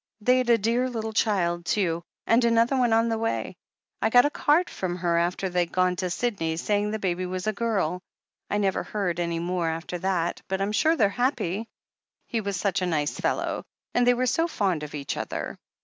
They'd a dear little child, too — ^and another one on the way. I got a card from her after they'd gone to Sydney saying the baby was a girl. I never heard any more THE HEEL OF ACHILLES 449 after that, but Vm sure they're happy. He was such a nice fellow, a^d they were so fond of each other."